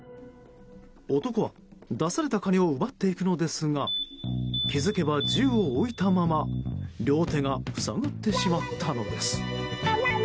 男は出された金を奪っていくのですが気づけば銃を置いたまま両手が塞がってしまったのです。